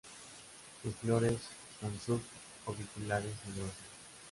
Sus flores son sub orbiculares y gruesos.